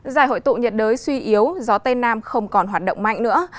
giải hội tụ nhiệt đới suy yếu gió tây nam không còn hoạt động mạnh nữa